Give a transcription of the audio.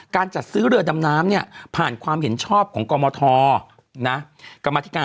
การจัดซื้อเรือดำน้ำเนี่ยผ่านความเห็นชอบของกรมธนะกรรมธิการ